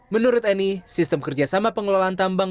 menurut eni sistem kerjasama pengelolaan tambang